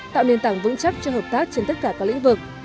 tạo nền tảng vững chắc cho hợp tác trên tất cả các lĩnh vực